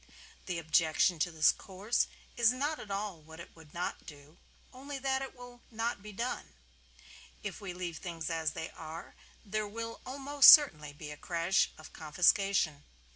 The objection to this course is not at all that it would not do, only that it will not be done. If we leave things as they are, there will almost certainly be a crash of confiscation.